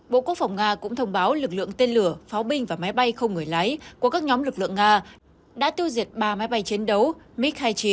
bộ quốc phòng nga cũng thông báo lực lượng tên lửa pháo binh và máy bay không người lái của các nhóm lực lượng nga đã tiêu diệt ba máy bay chiến đấu mig hai mươi chín